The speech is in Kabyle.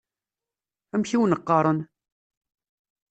Amek i wen-qqaṛen?